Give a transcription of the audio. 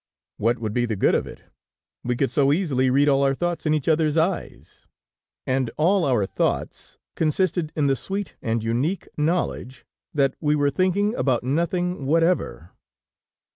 What would be the good of it? We could so easily read all our thoughts in each others eyes! And all our thoughts consisted in the sweet and unique knowledge, that we were thinking about nothing whatever.